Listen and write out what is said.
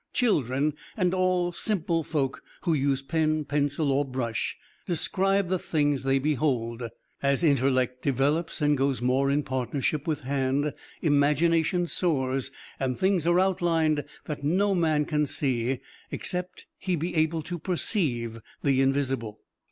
Children, and all simple folk who use pen, pencil or brush, describe the things they behold. As intellect develops and goes more in partnership with hand, imagination soars, and things are outlined that no man can see except he be able to perceive the invisible.